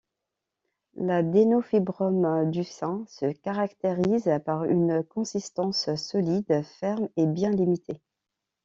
L'adénofibrome du sein se caractérise par une consistance solide, ferme et bien limitée.